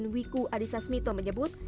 wiku adhisa smito menyebut